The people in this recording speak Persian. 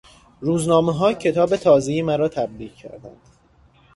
روزنامهها کتاب تازهی مرا تبلیغ کردند.